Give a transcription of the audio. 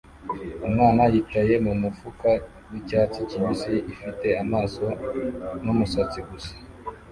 Umwana yicaye mumufuka wicyatsi kibisi ufite amaso numusatsi gusa